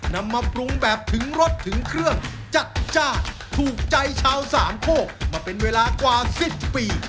นำมาปรุงแบบถึงรสถึงเครื่องจัดจ้านถูกใจชาวสามโคกมาเป็นเวลากว่า๑๐ปี